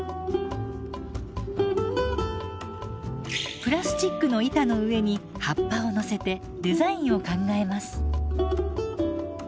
プラスチックの板の上に葉っぱを乗せてデザインを考えます。